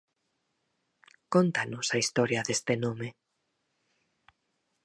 Cóntanos a historia deste nome.